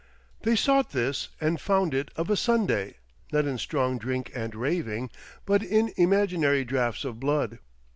They sought this and found it of a Sunday, not in strong drink and raving, but in imaginary draughts of blood.